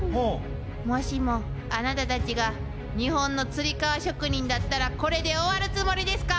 もしもあなたたちが日本のつり革職人だったらこれで終わるつもりですか？